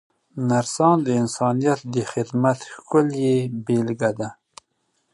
نرسان د انسانیت د خدمت ښکلې بېلګه ده.